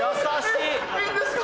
いいんですか？